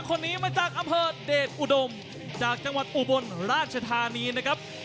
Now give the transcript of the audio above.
คนนี้มาจากอำเภอเดชอุดมจากจังหวัดอุบลราชธานีนะครับ